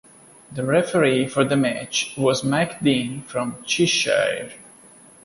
The referee for the match was Mike Dean from Cheshire.